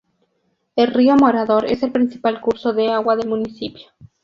El río Morador es el principal curso de agua del municipio.